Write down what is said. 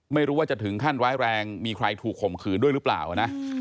ไม่รู้ว่าจะถึงขั้นร้ายแรงมีใครถูกข่มขืนด้วยหรือเปล่านะ